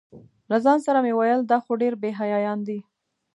له ځان سره مې ویل دا خو ډېر بې حیایان دي.